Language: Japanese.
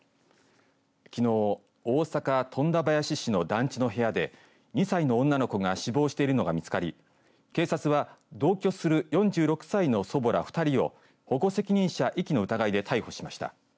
きのう大阪、富田林市の団地の部屋で２歳の女の子が死亡しているのが見つかり、警察は同居する４６歳の祖母ら２人を保護責任者遺棄の疑いで逮捕しました。